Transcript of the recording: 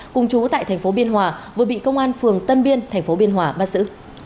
cùng chú tại thành phố biên hòa vừa bị công an phường tân biên tp biên hòa bắt giữ